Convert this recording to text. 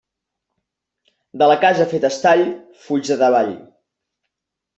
De la casa feta a estall, fuig de davall.